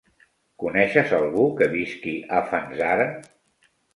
Coneixes algú que visqui a Fanzara?